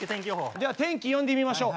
では天気呼んでみましょう。